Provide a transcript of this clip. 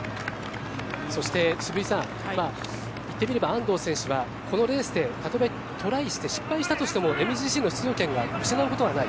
そして、渋井さん言ってみれば安藤選手はこのレースでたとえトライして失したとしてもＭＧＣの出場権を失うことがない